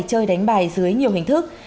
chơi đánh bài dưới nhiều hình thức